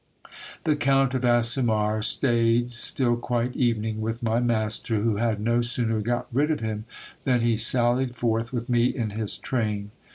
The Count of Asumar staid till quite evening with my master, who had no sooner got rid of him, than he sallied forth with me in his train.